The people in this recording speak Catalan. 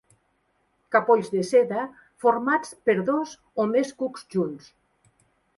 Capolls de seda formats per dos o més cucs junts.